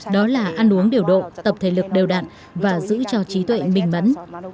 đó là ăn uống điều độ tập thể lực đều đạn và giữ cho trí tuệ minh mẫn